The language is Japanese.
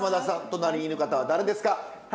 隣にいる方は誰ですか？